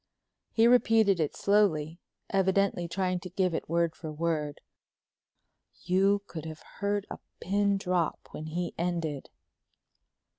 He repeated it slowly, evidently trying to give it word for word. You could have heard a pin drop when he ended.